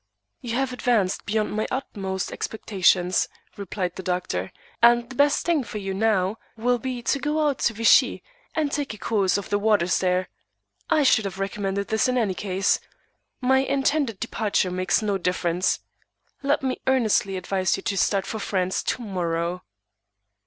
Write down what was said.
"You have advanced beyond my utmost expectations," replied the doctor, "and the best thing for you now will be to go out to Vichy, and take a course of the waters there. I should have recommended this in any case. My intended departure makes no difference. Let me earnestly advise you to start for France to morrow."